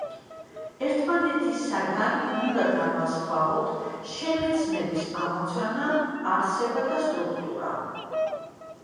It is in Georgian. ერთმანეთისაგან უნდა განვასხვაოთ შემეცნების ამოცანა, არსება და სტრუქტურა.